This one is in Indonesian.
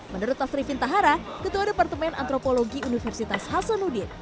menurut astri fintahara ketua departemen antropologi universitas hasanudin